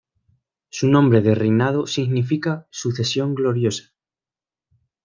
Su nombre de reinado significa "sucesión gloriosa".